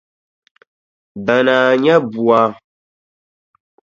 Danaa nya bua.